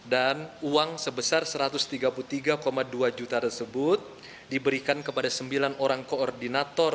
dan uang sebesar rp satu ratus tiga puluh tiga dua juta tersebut diberikan kepada sembilan orang koordinator